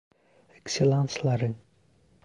Ekselansları.